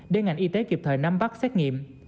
để ngành y tế kịp thời nắm bắt xét nghiệm